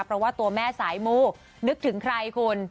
เพราะว่าตัวแม่สายมูนึกถึงใครคุณ